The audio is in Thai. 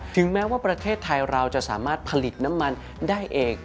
ถึงแม้ว่าประเทศไทยเราจะสามารถผลิตน้ำมันได้เอง